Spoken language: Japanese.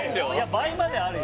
倍まであるよ